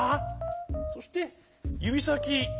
そしてゆびさき。